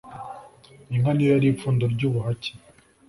Inka ni yo yari ipfundo ry'ubuhake.